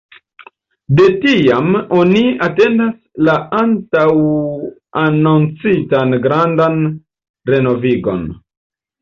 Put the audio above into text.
De tiam oni atendas la antaŭanoncitan grandan renovigon.